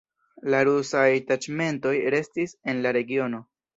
La rusaj taĉmentoj restis en la regiono.